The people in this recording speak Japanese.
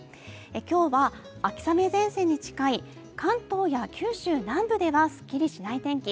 今日は秋雨前線に近い関東や九州南部ではすっきりしない天気。